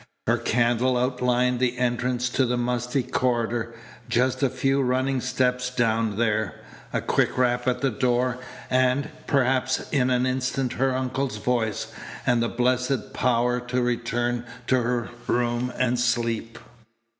Her candle outlined the entrance to the musty corridor. Just a few running steps down there, a quick rap at the door, and, perhaps, in an instant her uncle's voice, and the blessed power to return to her room and sleep!